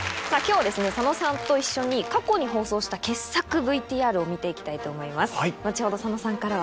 今日はですね佐野さんと一緒に過去に放送した傑作ＶＴＲを見て行きたいと思います。